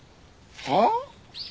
はあ！？